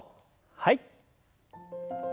はい。